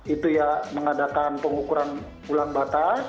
itu ya mengadakan pengukuran ulang batas